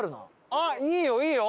あっいいよいいよ！